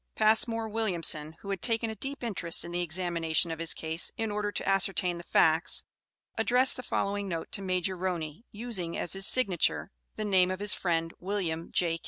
Passmore Williamson, who had taken a deep interest in the examination of his case, in order to ascertain the facts, addressed the following note to Major Roney, using as his signature the name of his friend, Wm. J.